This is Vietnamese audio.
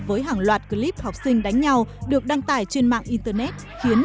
với hàng loạt clip học sinh đánh nhau được đăng tải trên mạng internet khiến